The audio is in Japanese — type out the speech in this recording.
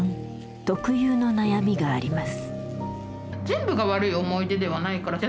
特有の悩みがあります。